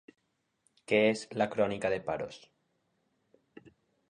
Què és la crònica de Paros?